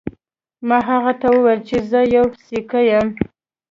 ما هغه ته وویل چې زه یو سیکه یم.